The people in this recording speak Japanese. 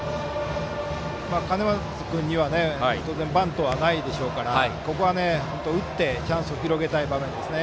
兼松君には当然バントはないでしょうからここは打ってチャンスを広げたい場面ですね。